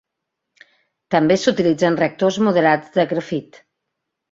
També s'utilitzen reactors moderats de grafit.